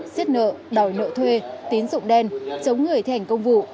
xếp nợ đòi nợ thuê tín dụng đen chống người thẻnh công vụ